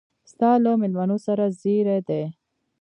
ستا له مېلمنو سره زېري دي.